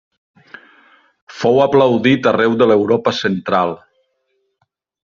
Fou aplaudit arreu de l'Europa central.